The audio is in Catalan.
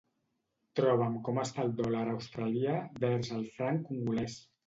Troba'm com està el dòlar australià vers el franc congolès.